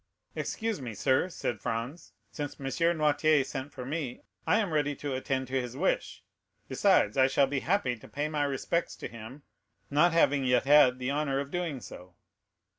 "Excuse me, sir," said Franz, "since M. Noirtier sent for me, I am ready to attend to his wish; besides, I shall be happy to pay my respects to him, not having yet had the honor of doing so."